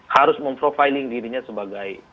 harus memprofiling dirinya sebagai